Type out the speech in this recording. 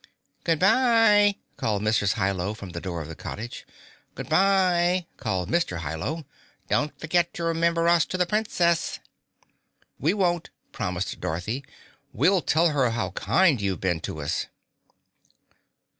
"Good bye!" called Mrs. Hi Lo from the door of the cottage. "Good bye!" called Mr. Hi Lo. "Don't forget to remember us to the Princess!" "We won't," promised Dorothy. "We'll tell her how kind you've been to us."